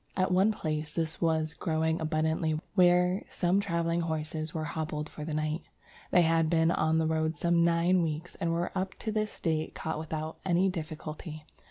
At one place this was growing abundantly where some travelling horses were hobbled for the night. "They had been on the road some nine weeks, and were up to this date caught without any difficulty.